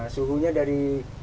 suhunya dari tiga puluh